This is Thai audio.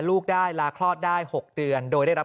กรุงเทพฯมหานครทำไปแล้วนะครับ